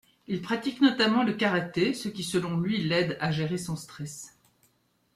Il pratique notamment le karaté, ce qui selon lui l'aide à gérer son stress.